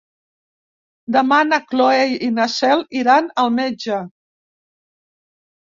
Demà na Cloè i na Cel iran al metge.